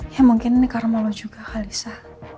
ya mungkin ini karena mau lo juga kalisa